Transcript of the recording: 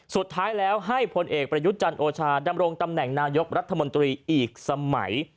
สุดท้ายแล้วให้พลเอกประยุทธ์จันทร์โอชาดำรงตำแหน่งนายกรัฐมนตรีอีกสมัย